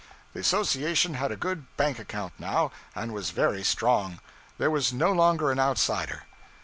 The association had a good bank account now, and was very strong. There was no longer an outsider.